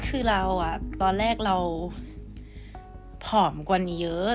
คือเราอ่ะตอนแรกเราผอมกว่าเยอะ